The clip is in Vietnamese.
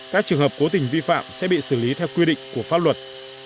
các trường hợp cố tình vi phạm sẽ bị xử lý theo quy định của pháp luật